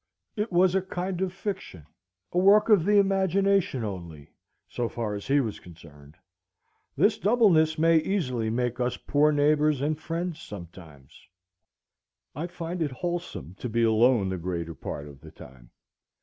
It was a kind of fiction, a work of the imagination only, so far as he was concerned. This doubleness may easily make us poor neighbors and friends sometimes. I find it wholesome to be alone the greater part of the time.